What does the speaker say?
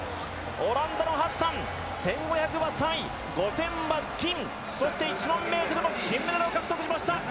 オランダのハッサン１５００は３位５０００は金そして１００００ｍも金メダルを獲得しました！